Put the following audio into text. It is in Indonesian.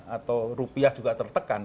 atau rupiah juga tertekan